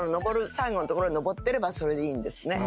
最後のところに登ってればそれでいいんですね。